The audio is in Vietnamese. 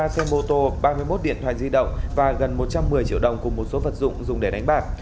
ba xe mô tô ba mươi một điện thoại di động và gần một trăm một mươi triệu đồng cùng một số vật dụng dùng để đánh bạc